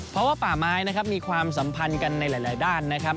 เพราะว่าป่าไม้นะครับมีความสัมพันธ์กันในหลายด้านนะครับ